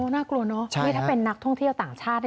น่ากลัวเนอะนี่ถ้าเป็นนักท่องเที่ยวต่างชาติ